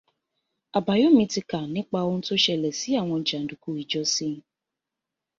Àbáyọ̀mí ti kà nípa oun tó ṣẹlẹ̀ sí àwọn jàǹdùkú ijọ́sí